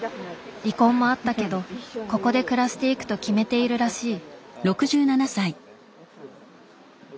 離婚もあったけどここで暮らしていくと決めているらしい。